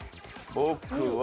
僕は。